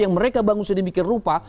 yang mereka bangun sedemikian rupa